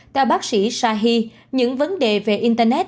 theo bác sĩ shahi những vấn đề về internet